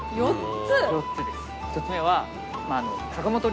１つ目は。